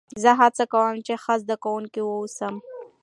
زه هڅه کوم، چي ښه زدهکوونکی واوسم.